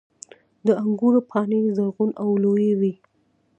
• د انګورو پاڼې زرغون او لویې وي.